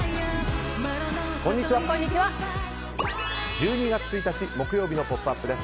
１２月１日、木曜日の「ポップＵＰ！」です。